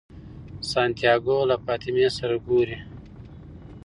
سانتیاګو له فاطمې سره ګوري.